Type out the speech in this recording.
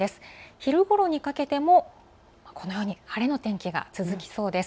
昼ごろにかけてもこのように晴れの天気が続きそうです。